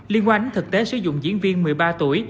liên quan đến thực tế sử dụng diễn viên một mươi ba tuổi